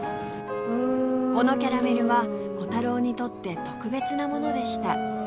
このキャラメルはコタローにとって特別なものでした